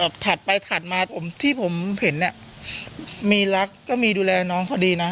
ถัดไปถัดมาผมที่ผมเห็นเนี่ยมีรักก็มีดูแลน้องพอดีนะ